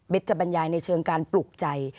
จะบรรยายในเชิงการปลุกใจ